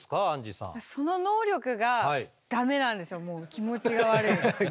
気持ちが悪い。